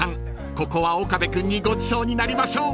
ここは岡部君にごちそうになりましょう］